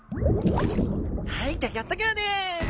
はいギョギョッと号です！